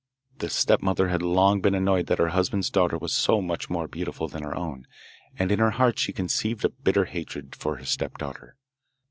The stepmother had long been annoyed that her husband's daughter was so much more beautiful than her own, and in her heart she conceived a bitter hatred for her stepdaughter.